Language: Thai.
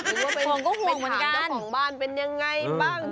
ห่วงก็ห่วงเหมือนกันหรือว่าเป็นถามเจ้าของบ้านเป็นยังไงบ้าง